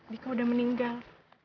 dika udah meninggal